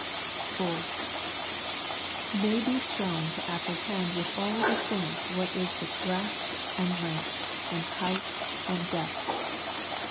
(4) " May be strong to apprehend with all the saints what is the breadth and length and height and depth" (ver.